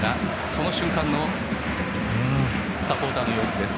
その瞬間のサポーターの様子です。